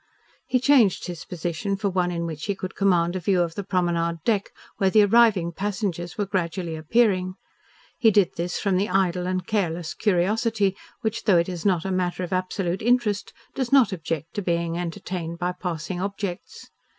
He changed his position for one in which he could command a view of the promenade deck where the arriving passengers were gradually appearing. He did this from the idle and careless curiosity which, though it is not a matter of absolute interest, does not object to being entertained by passing objects.